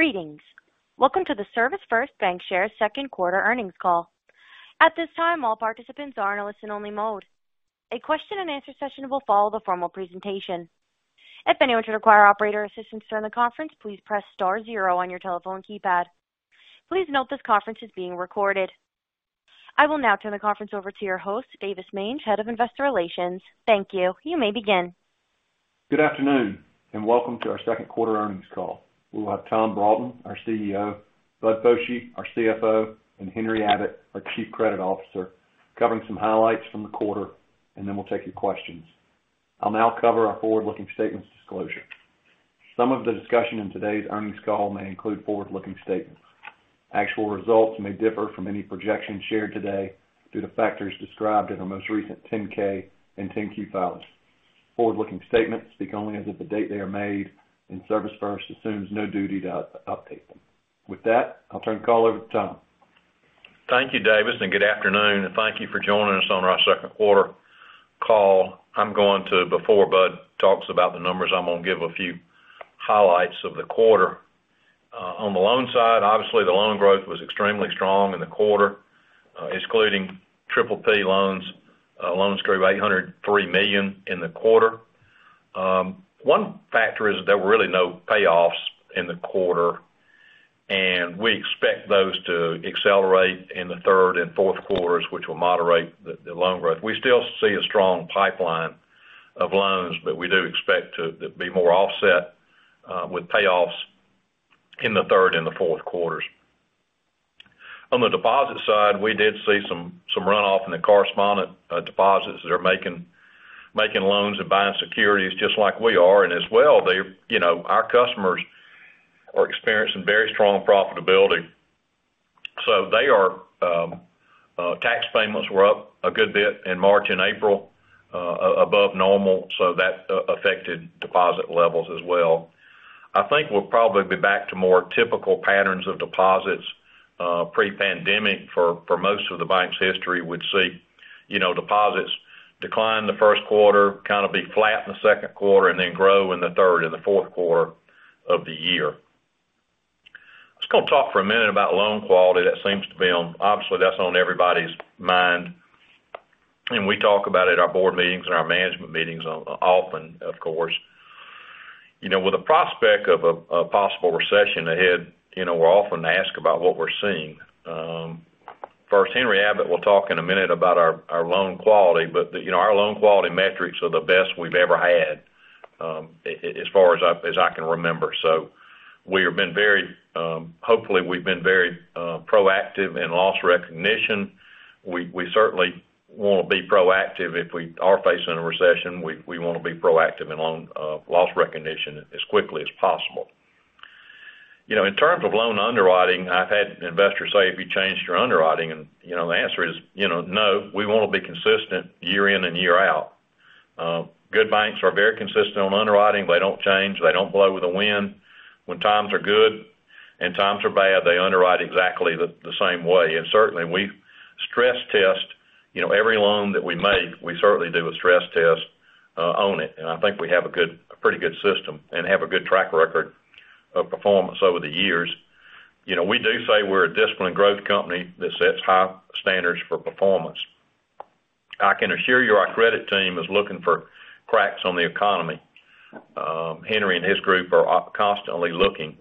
Greetings. Welcome to the ServisFirst Bancshares second quarter earnings call. At this time, all participants are in a listen-only mode. A question-and-answer session will follow the formal presentation. If anyone should require operator assistance during the conference, please press star zero on your telephone keypad. Please note this conference is being recorded. I will now turn the conference over to your host, Davis Mange, Head of Investor Relations. Thank you. You may begin. Good afternoon, and welcome to our second quarter earnings call. We'll have Tom Broughton, our CEO, Bud Foshee, our CFO, and Henry Abbott, our Chief Credit Officer, covering some highlights from the quarter, and then we'll take your questions. I'll now cover our forward-looking statements disclosure. Some of the discussion in today's earnings call may include forward-looking statements. Actual results may differ from any projections shared today due to factors described in our most recent 10-K and 10-Q filings. Forward-looking statements speak only as of the date they are made, and ServisFirst assumes no duty to update them. With that, I'll turn the call over to Tom. Thank you, Davis, and good afternoon, and thank you for joining us on our second quarter call. Before Bud talks about the numbers, I'm gonna give a few highlights of the quarter. On the loan side, obviously, the loan growth was extremely strong in the quarter. Excluding PPP loans grew $803 million in the quarter. One factor is there were really no payoffs in the quarter, and we expect those to accelerate in the third and fourth quarters, which will moderate the loan growth. We still see a strong pipeline of loans, but we do expect to be more offset with payoffs in the third and the fourth quarters. On the deposit side, we did see some runoff in the correspondent deposits that are making loans and buying securities just like we are, and as well, you know, our customers are experiencing very strong profitability. Tax payments were up a good bit in March and April, above normal, so that affected deposit levels as well. I think we'll probably be back to more typical patterns of deposits pre-pandemic for most of the bank's history. We'd see, you know, deposits decline the first quarter, kind of be flat in the second quarter, and then grow in the third and the fourth quarter of the year. Just gonna talk for a minute about loan quality. Obviously, that's on everybody's mind. We talk about it at our board meetings and our management meetings often, of course. You know, with the prospect of a possible recession ahead, you know, we're often asked about what we're seeing. First, Henry Abbott will talk in a minute about our loan quality, but you know, our loan quality metrics are the best we've ever had, as far as I can remember. We have been very, hopefully, we've been very proactive in loss recognition. We certainly wanna be proactive if we are facing a recession. We wanna be proactive in loan loss recognition as quickly as possible. You know, in terms of loan underwriting, I've had investors say, "Have you changed your underwriting?" You know, the answer is, you know, no. We wanna be consistent year in and year out. Good banks are very consistent on underwriting. They don't change. They don't blow with the wind. When times are good and times are bad, they underwrite exactly the same way. Certainly, we stress test, you know, every loan that we make, we certainly do a stress test on it. I think we have a pretty good system and have a good track record of performance over the years. You know, we do say we're a disciplined growth company that sets high standards for performance. I can assure you our credit team is looking for cracks in the economy. Henry and his group are constantly looking.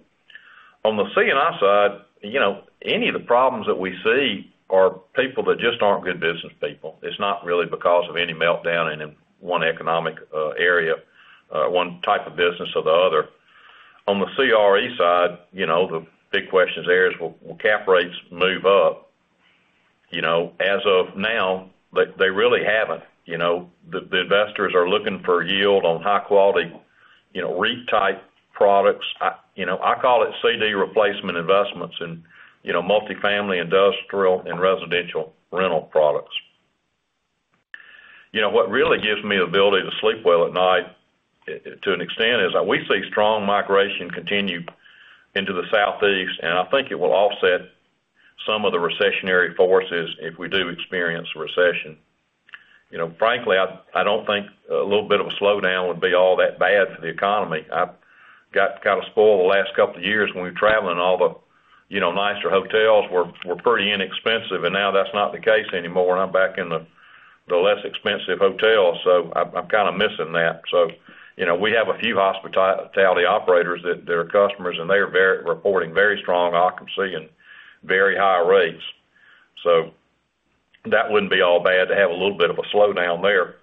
On the C&I side, you know, any of the problems that we see are people that just aren't good business people. It's not really because of any meltdown in one economic area or one type of business or the other. On the CRE side, you know, the big questions there is will cap rates move up? You know, as of now, they really haven't. You know, the investors are looking for yield on high quality, you know, REIT-type products. I you know I call it CD replacement investments in, you know, multifamily, industrial, and residential rental products. You know, what really gives me the ability to sleep well at night, to an extent, is that we see strong migration continue into the Southeast, and I think it will offset some of the recessionary forces if we do experience a recession. You know, frankly, I don't think a little bit of a slowdown would be all that bad for the economy. I've got kind of spoiled the last couple of years when we were traveling, all the, you know, nicer hotels were pretty inexpensive, and now that's not the case anymore. I'm back in the less expensive hotels, so I'm kinda missing that. You know, we have a few hospitality operators that they're customers, and they're very reporting very strong occupancy and very high rates. That wouldn't be all bad to have a little bit of a slowdown there.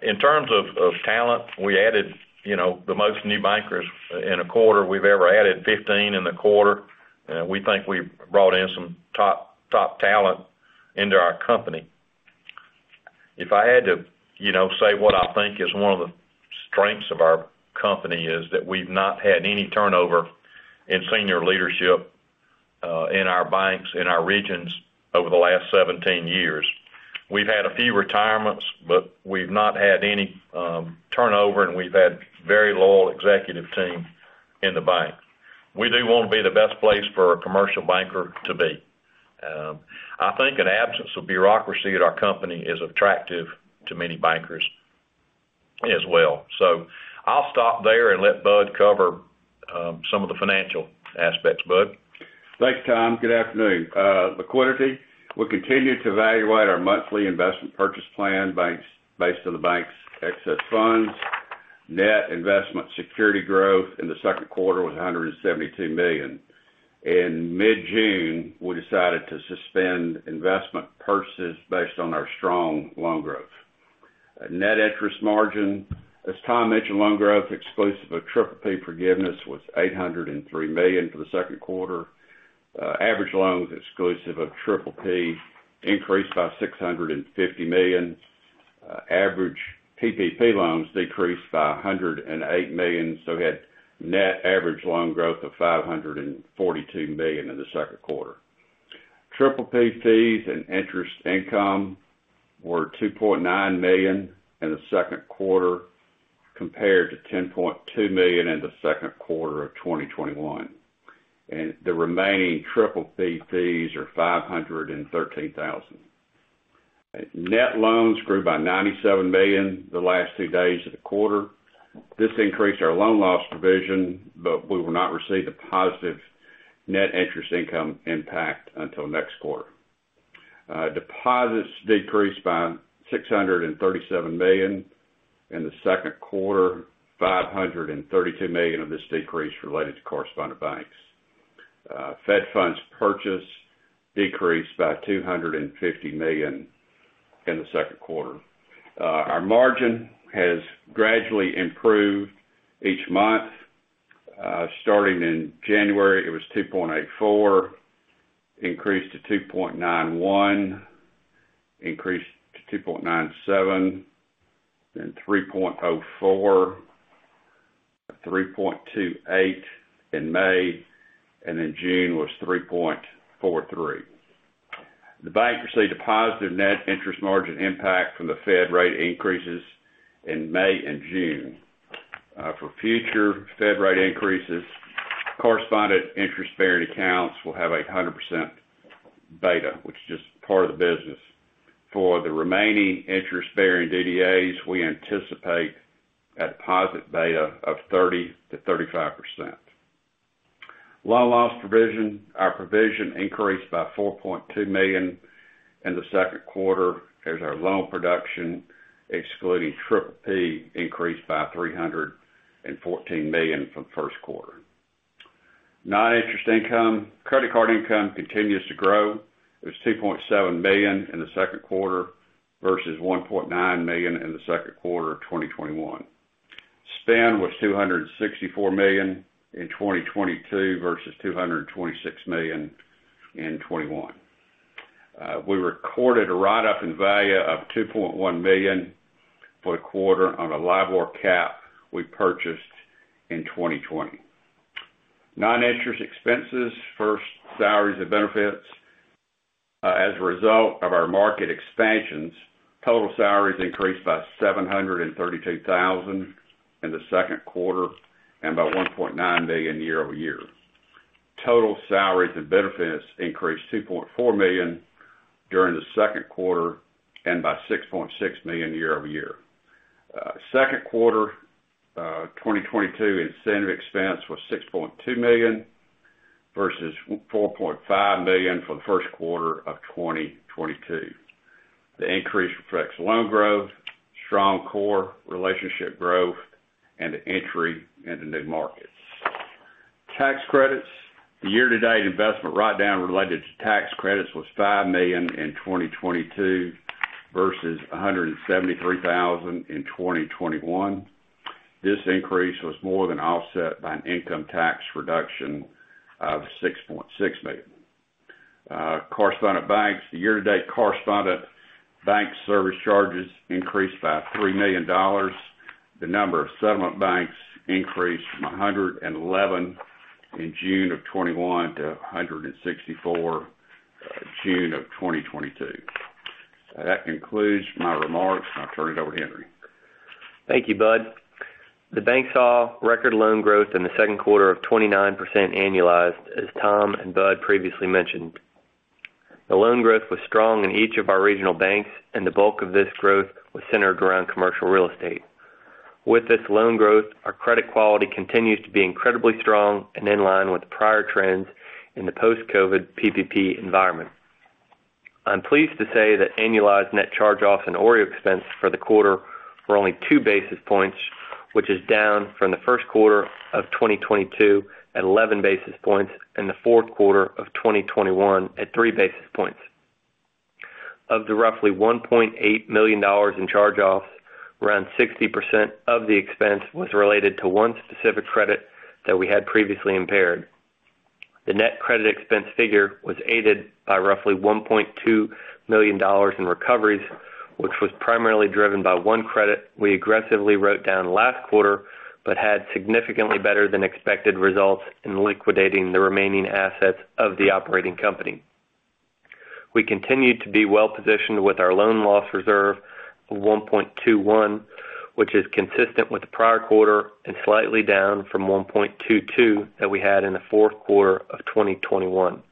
In terms of talent, we added, you know, the most new bankers in a quarter we've ever added, 15 in the quarter. We think we've brought in some top talent into our company. If I had to, you know, say what I think is one of the strengths of our company is that we've not had any turnover in senior leadership in our banks in our regions over the last 17 years. We've had a few retirements, but we've not had any turnover, and we've had very loyal executive team in the bank. We do wanna be the best place for a commercial banker to be. I think an absence of bureaucracy at our company is attractive to many bankers. As well. I'll stop there and let Bud cover some of the financial aspects. Bud? Thanks, Tom. Good afternoon. Liquidity. We continue to evaluate our monthly investment purchase plan banks based on the bank's excess funds. Net investment security growth in the second quarter was $172 million. In mid-June, we decided to suspend investment purchases based on our strong loan growth. Net interest margin, as Tom mentioned, loan growth exclusive of PPP forgiveness was $803 million for the second quarter. Average loans exclusive of PPP increased by $650 million. Average PPP loans decreased by $108 million, so we had net average loan growth of $542 million in the second quarter. PPP fees and interest income were $2.9 million in the second quarter compared to $10.2 million in the second quarter of 2021, and the remaining PPP fees are $513 thousand. Net loans grew by $97 million the last two days of the quarter. This increased our loan loss provision, but we will not receive the positive net interest income impact until next quarter. Deposits decreased by $637 million in the second quarter, $532 million of this decrease related to correspondent banks. Fed funds purchase decreased by $250 million in the second quarter. Our margin has gradually improved each month, starting in January, it was 2.84%, increased to 2.91%, increased to 2.97%, then 3.04%, 3.28% in May, and in June was 3.43%. The bank received a positive net interest margin impact from the Fed rate increases in May and June. For future Fed rate increases, correspondent interest-bearing accounts will have a 100% beta, which is just part of the business. For the remaining interest bearing DDAs, we anticipate a deposit beta of 30%-35%. Loan loss provision. Our provision increased by $4.2 million in the second quarter as our loan production, excluding PPP, increased by $314 million from first quarter. Non-interest income. Credit card income continues to grow. It was $2.7 million in the second quarter versus $1.9 million in the second quarter of 2021. Spend was $264 million in 2022 versus $226 million in 2021. We recorded a write-up in value of $2.1 million for the quarter on a LIBOR cap we purchased in 2020. Non-interest expenses. First, salaries and benefits. As a result of our market expansions, total salaries increased by $732,000 in the second quarter and by $1.9 million year-over-year. Total salaries and benefits increased $2.4 million during the second quarter and by $6.6 million year-over-year. Second quarter 2022 incentive expense was $6.2 million versus $4.5 million for the first quarter of 2022. The increase reflects loan growth, strong core relationship growth, and the entry into new markets. Tax credits. The year-to-date investment write-down related to tax credits was $5 million in 2022 versus $173,000 in 2021. This increase was more than offset by an income tax reduction of $6.6 million. Correspondent banks. The year-to-date correspondent bank service charges increased by $3 million. The number of settlement banks increased from 111 in June 2021 to 164 in June 2022. That concludes my remarks, and I'll turn it over to Henry. Thank you, Bud. The bank saw record loan growth in the second quarter of 29% annualized, as Tom and Bud previously mentioned. The loan growth was strong in each of our regional banks, and the bulk of this growth was centered around commercial real estate. With this loan growth, our credit quality continues to be incredibly strong and in line with prior trends in the post-COVID PPP environment. I'm pleased to say that annualized net charge-offs and OREO expense for the quarter were only 2 basis points, which is down from the first quarter of 2022 at 11 basis points and the fourth quarter of 2021 at 3 basis points. Of the roughly $1.8 million in charge-offs, around 60% of the expense was related to one specific credit that we had previously impaired. The net credit expense figure was aided by roughly $1.2 million in recoveries, which was primarily driven by one credit we aggressively wrote down last quarter, but had significantly better than expected results in liquidating the remaining assets of the operating company. We continue to be well-positioned with our loan loss reserve of $1.21, which is consistent with the prior quarter and slightly down from $1.22 that we had in the fourth quarter of 2021.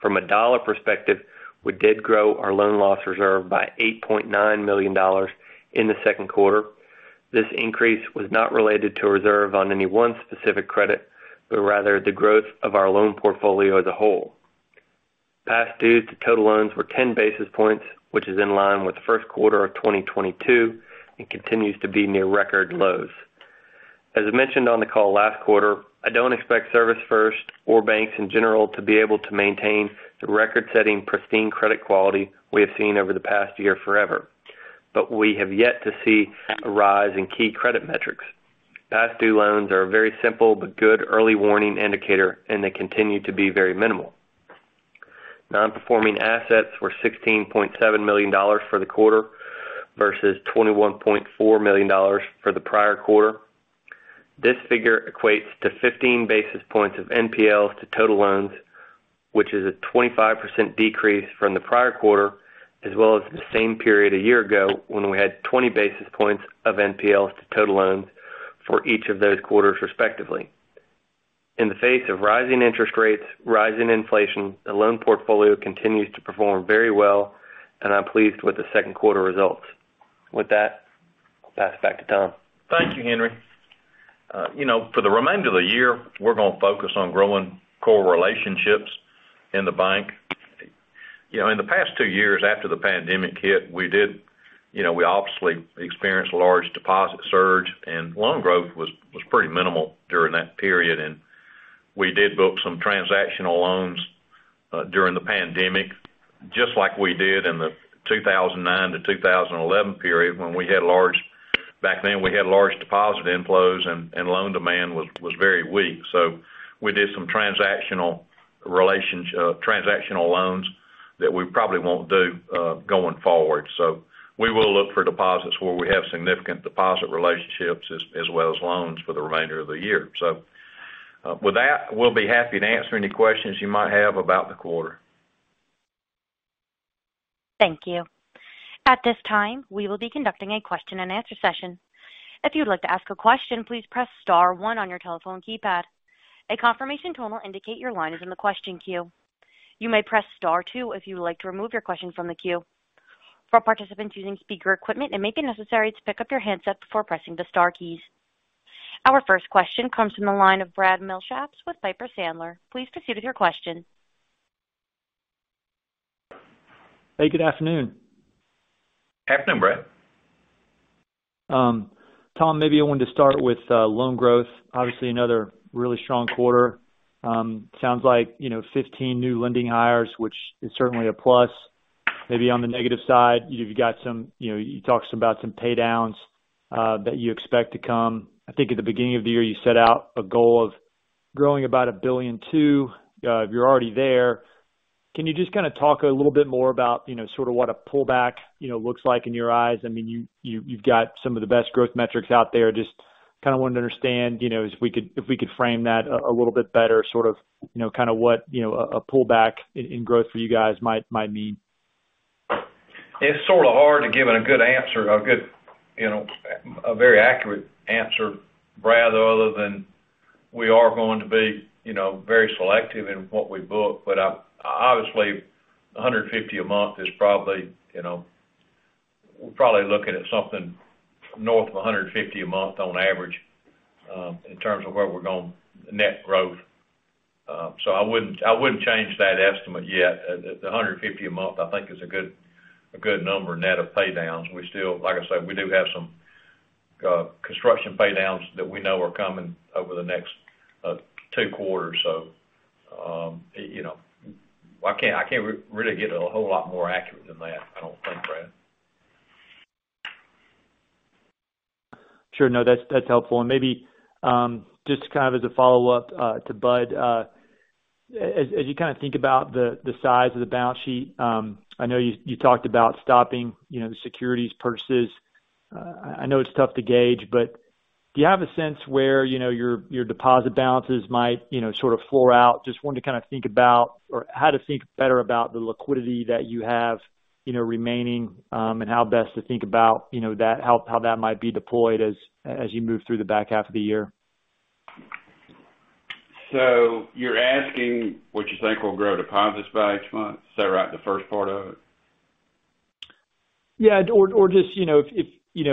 From a dollar perspective, we did grow our loan loss reserve by $8.9 million in the second quarter. This increase was not related to a reserve on any one specific credit, but rather the growth of our loan portfolio as a whole. Past due to total loans were 10 basis points, which is in line with the first quarter of 2022 and continues to be near record lows. I mentioned on the call last quarter, I don't expect ServisFirst or banks in general to be able to maintain the record-setting pristine credit quality we have seen over the past year forever, but we have yet to see a rise in key credit metrics. Past due loans are a very simple but good early warning indicator, and they continue to be very minimal. Non-performing assets were $16.7 million for the quarter versus $21.4 million for the prior quarter. This figure equates to 15 basis points of NPLs to total loans, which is a 25% decrease from the prior quarter, as well as the same period a year ago when we had 20 basis points of NPLs to total loans for each of those quarters, respectively. In the face of rising interest rates, rising inflation, the loan portfolio continues to perform very well, and I'm pleased with the second quarter results. With that, I'll pass it back to Tom. Thank you, Henry. You know, for the remainder of the year, we're gonna focus on growing core relationships in the bank. You know, in the past two years after the pandemic hit, we did, you know, we obviously experienced a large deposit surge and loan growth was pretty minimal during that period. We did book some transactional loans during the pandemic, just like we did in the 2009 to 2011 period when we had large deposit inflows and loan demand was very weak. We did some transactional loans that we probably won't do going forward. We will look for deposits where we have significant deposit relationships as well as loans for the remainder of the year. With that, we'll be happy to answer any questions you might have about the quarter. Thank you. At this time, we will be conducting a question-and-answer session. If you'd like to ask a question, please press star one on your telephone keypad. A confirmation tone will indicate your line is in the question queue. You may press star two if you would like to remove your question from the queue. For participants using speaker equipment, it may be necessary to pick up your handset before pressing the star keys. Our first question comes from the line of Brad Milsaps with Piper Sandler. Please proceed with your question. Hey, good afternoon. Afternoon, Brad. Tom, maybe I wanted to start with loan growth. Obviously another really strong quarter. Sounds like, you know, 15 new lending hires, which is certainly a plus. Maybe on the negative side, you've got some, you know, you talked about some paydowns that you expect to come. I think at the beginning of the year, you set out a goal of growing about $1.2 billion. If you're already there, can you just kinda talk a little bit more about, you know, sort of what a pullback, you know, looks like in your eyes? I mean, you've got some of the best growth metrics out there. Just kinda wanted to understand, you know, if we could frame that a little bit better, sort of, you know, kinda what, you know, a pullback in growth for you guys might mean. It's sort of hard to give it a good answer, you know, a very accurate answer, Brad, other than we are going to be, you know, very selective in what we book. Obviously 150 a month is probably, you know, we're probably looking at something north of 150 a month on average, in terms of where we're going net growth. I wouldn't change that estimate yet. The 150 a month, I think is a good number net of paydowns. We still, like I said, we do have some construction paydowns that we know are coming over the next two quarters. You know, I can't really get a whole lot more accurate than that, I don't think, Brad. Sure. No, that's helpful. Maybe just kind of as a follow-up to Bud, as you kinda think about the size of the balance sheet, I know you talked about stopping, you know, the securities purchases. I know it's tough to gauge, but do you have a sense where, you know, your deposit balances might, you know, sort of floor out? Just wanted to kinda think about or how to think better about the liquidity that you have, you know, remaining, and how best to think about, you know, that, how that might be deployed as you move through the back half of the year. You're asking what you think will grow deposits by each month? Is that right, the first part of it? Just, you know,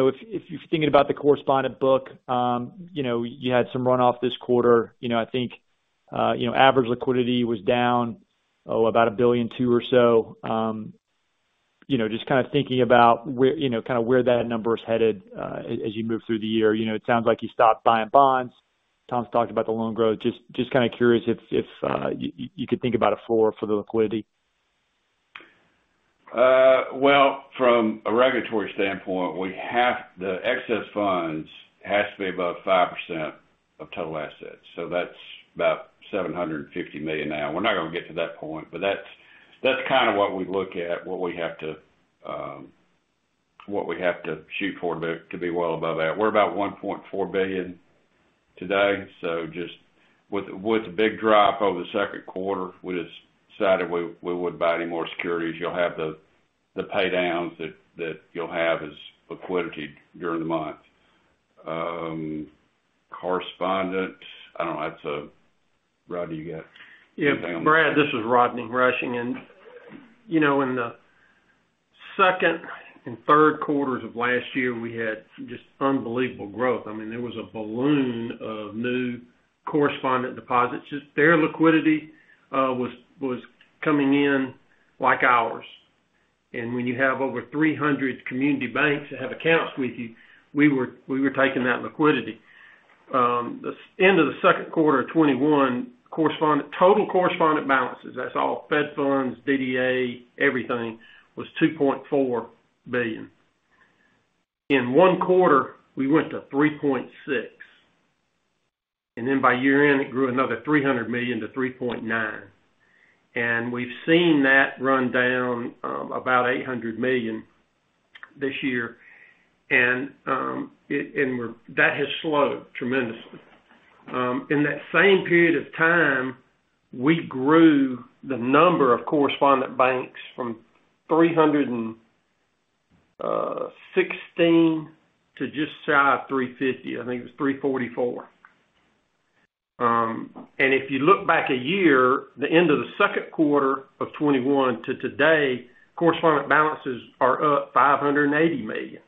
if you're thinking about the correspondent book, you know, you had some runoff this quarter. You know, I think you know, average liquidity was down about $1.2 billion or so. You know, just kinda thinking about where, you know, kinda where that number is headed, as you move through the year. You know, it sounds like you stopped buying bonds. Tom's talked about the loan growth. Just kinda curious if you could think about a floor for the liquidity. Well, from a regulatory standpoint, the excess funds has to be above 5% of total assets, so that's about $750 million now. We're not gonna get to that point, but that's kinda what we look at, what we have to shoot for to be well above that. We're about $1.4 billion today. Just with the big drop over the second quarter, we just decided we wouldn't buy any more securities. You'll have the paydowns that you'll have as liquidity during the month. Correspondent. I don't know. Rodney, you got anything on that? Yeah. Brad, this is Rodney Rushing. You know, in the second and third quarters of last year, we had just unbelievable growth. I mean, there was a balloon of new correspondent deposits. Just their liquidity was coming in like ours. When you have over 300 community banks that have accounts with you, we were taking that liquidity. The end of the second quarter of 2021, total correspondent balances, that's all Fed funds, DDA, everything, was $2.4 billion. In one quarter, we went to $3.6 billion. Then by year-end, it grew another $300 million to $3.9 billion. We've seen that run down about $800 million this year. That has slowed tremendously. In that same period of time, we grew the number of correspondent banks from 316 to just shy of 350. I think it was 344. If you look back a year, the end of the second quarter of 2021 to today, correspondent balances are up $580 million.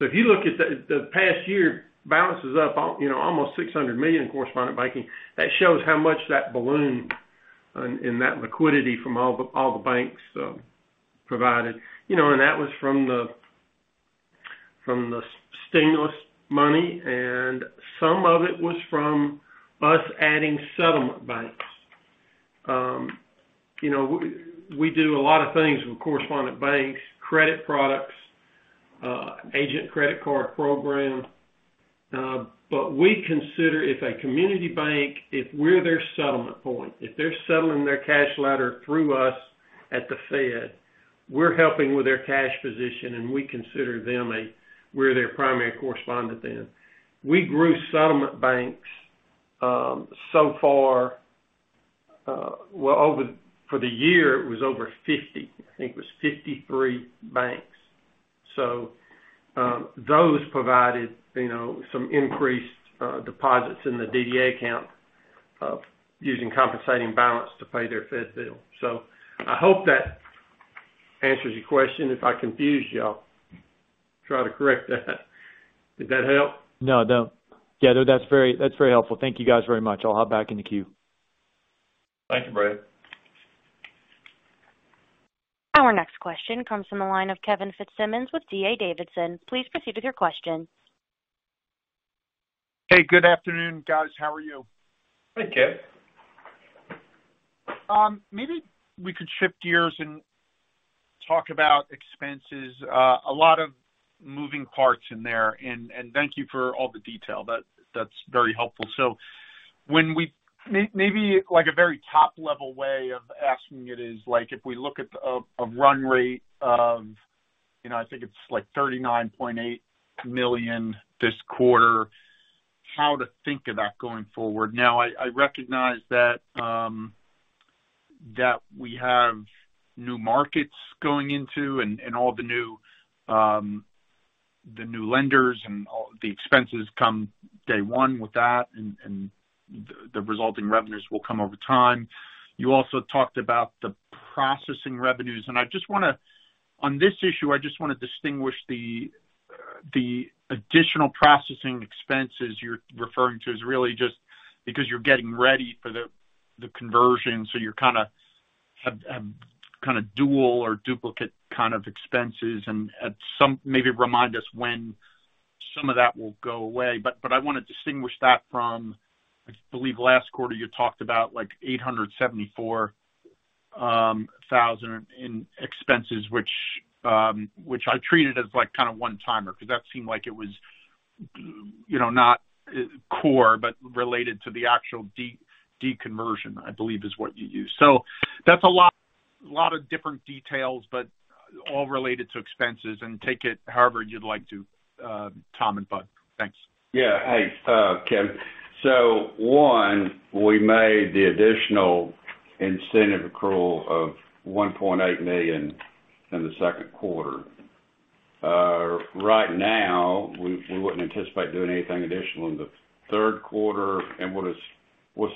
If you look at the past year, balance is up on, you know, almost $600 million in correspondent banking. That shows how much that ballooned and that liquidity from all the banks provided. You know, and that was from the stimulus money, and some of it was from us adding settlement banks. You know, we do a lot of things with correspondent banks, credit products, Agent Credit Card Program. We consider if a community bank, if we're their settlement point, if they're settling their cash letter through us at the Fed, we're helping with their cash position, and we consider them we're their primary correspondent then. We grew settlement banks for the year, it was over 50. I think it was 53 banks. Those provided, you know, some increased deposits in the DDA account of using compensating balance to pay their Fed bill. I hope that answers your question. If I confused you, I'll try to correct that. Did that help? No. Yeah, no, that's very helpful. Thank you, guys, very much. I'll hop back in the queue. Thank you, Brad. Our next question comes from the line of Kevin Fitzsimmons with D.A. Davidson. Please proceed with your question. Hey, good afternoon, guys. How are you? Hey, Kevin. Maybe we could shift gears and talk about expenses. A lot of moving parts in there. Thank you for all the detail. That's very helpful. When we maybe like a very top level way of asking it is, like, if we look at a run rate of, you know, I think it's like $39.8 million this quarter, how to think of that going forward. Now, I recognize that we have new markets going into and all the new lenders and all the expenses come day one with that and the resulting revenues will come over time. You also talked about the processing revenues. I just wanna. On this issue, I just wanna distinguish the additional processing expenses you're referring to as really just because you're getting ready for the conversion, so you kinda have kinda dual or duplicate kind of expenses. At some point, maybe remind us when some of that will go away. I wanna distinguish that from, I believe last quarter you talked about like $874 thousand in expenses, which I treated as like kinda one-timer, 'cause that seemed like it was, you know, not core, but related to the actual deconversion, I believe is what you used. That's a lot of different details, but all related to expenses. Take it however you'd like to, Tom and Bud. Thanks. Hey, Kevin. One, we made the additional incentive accrual of $1.8 million in the second quarter. Right now, we wouldn't anticipate doing anything additional in the third quarter, and we'll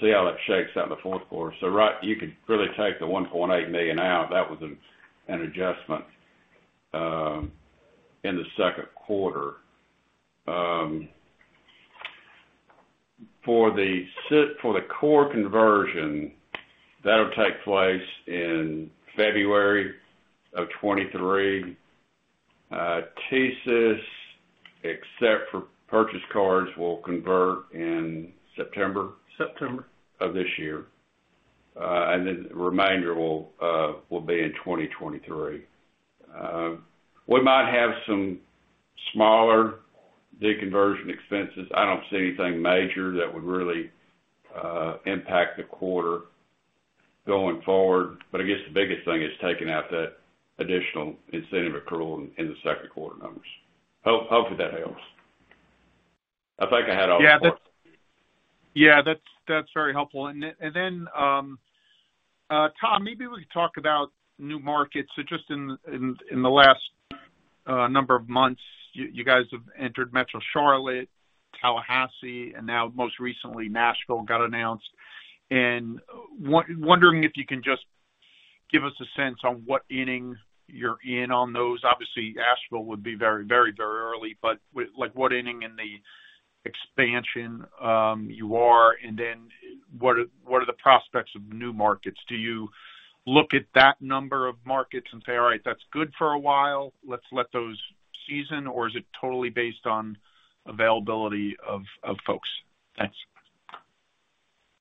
see how that shakes out in the fourth quarter. Right, you could really take the $1.8 million out. That was an adjustment in the second quarter. For the core conversion, that'll take place in February of 2023. TSYS, except for Purchase Cards, will convert in September? September. Of this year. The remainder will be in 2023. We might have some smaller deconversion expenses. I don't see anything major that would really impact the quarter going forward. I guess the biggest thing is taking out that additional incentive accrual in the second quarter numbers. Hopefully that helps. I think I had all four. Yeah, that's very helpful. Tom, maybe we can talk about new markets. Just in the last number of months, you guys have entered Metro Charlotte, Tallahassee, and now most recently Nashville got announced. Wondering if you can just give us a sense on what innings you're in on those. Obviously, Asheville would be very early, but with like, what inning in the expansion you are? What are the prospects of new markets? Do you look at that number of markets and say, all right, that's good for a while, let's let those season? Or is it totally based on availability of folks?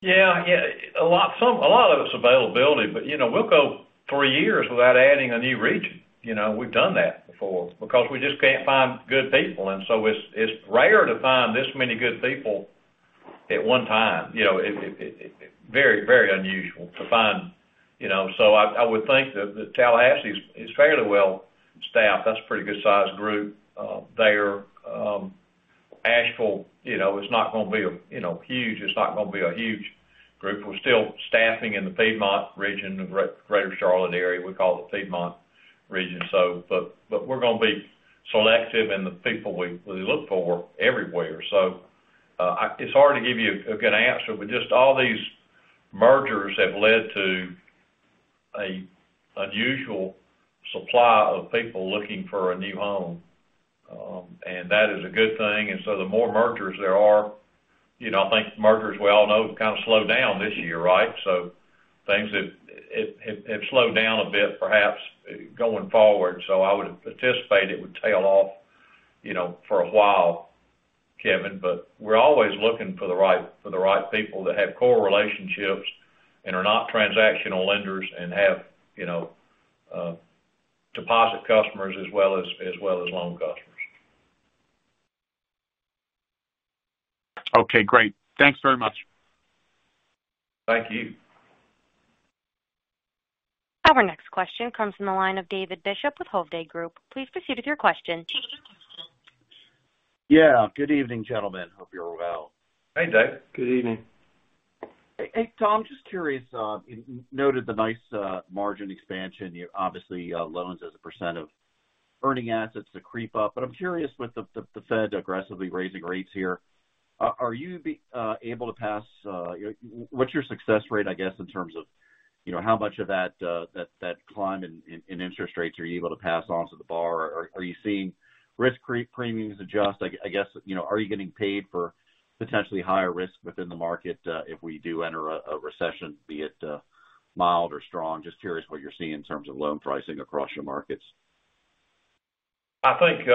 Thanks. Yeah. Yeah. A lot of it's availability, but, you know, we'll go three years without adding a new region. You know, we've done that before because we just can't find good people. It's rare to find this many good people at one time, you know. It's very unusual to find, you know. I would think that Tallahassee is fairly well staffed. That's a pretty good sized group there. Asheville, you know, is not gonna be a huge. It's not gonna be a huge group. We're still staffing in the Piedmont region, the Greater Charlotte area. We call it the Piedmont region. We're gonna be selective in the people we look for everywhere. It's hard to give you a good answer, but just all these mergers have led to an unusual supply of people looking for a new home, and that is a good thing. The more mergers there are, you know, I think mergers, we all know, kind of slowed down this year, right? Things have slowed down a bit, perhaps, going forward. I would anticipate it would tail off, you know, for a while, Kevin. We're always looking for the right people that have core relationships and are not transactional lenders and have, you know, deposit customers as well as loan customers. Okay, great. Thanks very much. Thank you. Our next question comes from the line of David Bishop with Hovde Group. Please proceed with your question. Yeah. Good evening, gentlemen. Hope you're well. Hey, David. Good evening. Hey, Tom, just curious, noted the nice margin expansion. You obviously loans as a percent of earning assets to creep up. But I'm curious with the Fed aggressively raising rates here, are you able to pass, what's your success rate, I guess, in terms of, you know, how much of that climb in interest rates are you able to pass on to the borrower? Are you seeing risk premiums adjust? I guess, you know, are you getting paid for potentially higher risk within the market, if we do enter a recession, be it mild or strong? Just curious what you're seeing in terms of loan pricing across your markets. I think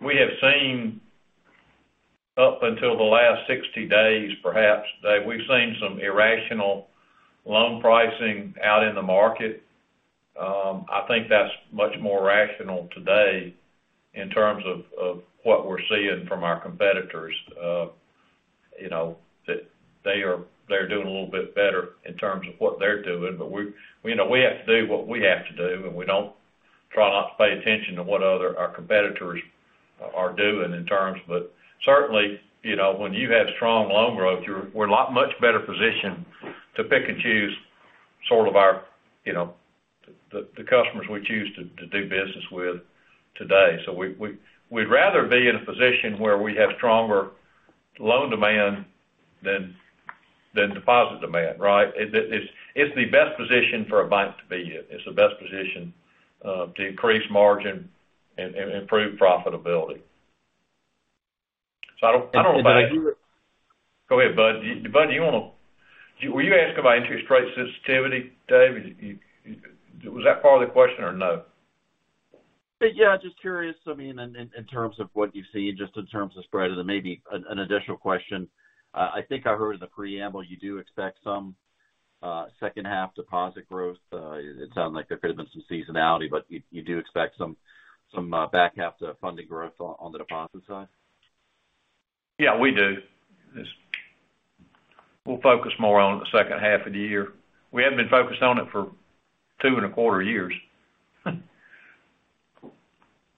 we have seen up until the last 60 days, perhaps, Dave, we've seen some irrational loan pricing out in the market. I think that's much more rational today in terms of what we're seeing from our competitors, you know, that they're doing a little bit better in terms of what they're doing. We, you know, we have to do what we have to do, and we try not to pay attention to what our competitors are doing in terms. Certainly, you know, when you have strong loan growth, we're a lot much better positioned to pick and choose sort of our, you know, the customers we choose to do business with today. We'd rather be in a position where we have stronger loan demand than deposit demand, right? It's the best position for a bank to be in. It's the best position to increase margin and improve profitability. I don't know, David. Go ahead, Bud. Bud, do you wanna. Were you asking about interest rate sensitivity, David? Was that part of the question or no? Yeah, just curious. I mean, in terms of what you've seen, just in terms of spread, and then maybe an additional question. I think I heard in the preamble you do expect some second half deposit growth. It sounded like there could have been some seasonality, but you do expect some back half to funding growth on the deposit side. Yeah, we do. We'll focus more on the second half of the year. We haven't been focused on it for two and a quarter years.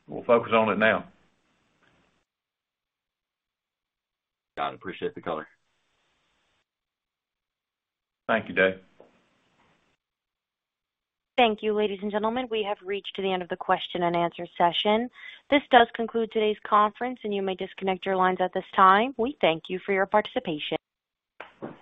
We'll focus on it now. Got it. Appreciate the color. Thank you, David. Thank you, ladies and gentlemen. We have reached the end of the question and answer session. This does conclude today's conference, and you may disconnect your lines at this time. We thank you for your participation.